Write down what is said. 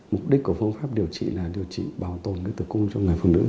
mục đích của phương pháp điều trị là điều trị bảo tồn cái tử cung trong người phụ nữ